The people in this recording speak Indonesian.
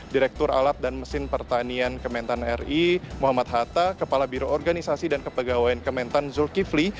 direktur alat dan mesin pertanian kementan ri muhammad hatta kepala biro organisasi dan kepegawaian kementan zulkifli